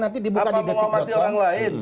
apa menghormati orang lain